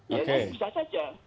ya bisa saja